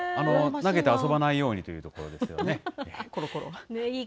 投げて遊ばないようにというころころ。